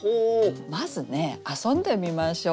まずね遊んでみましょう。